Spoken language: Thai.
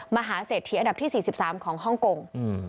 มหาเศรษฐีอันดับที่๔๓ของฮ่องกง